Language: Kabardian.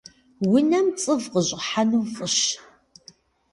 Унэм цӏыв къыщӏыхьэну фӏыщ.